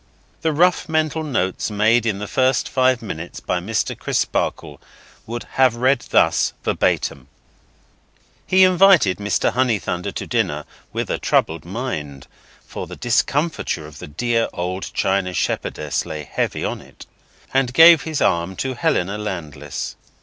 The rough mental notes made in the first five minutes by Mr. Crisparkle would have read thus, verbatim. He invited Mr. Honeythunder to dinner, with a troubled mind (for the discomfiture of the dear old china shepherdess lay heavy on it), and gave his arm to Helena Landless.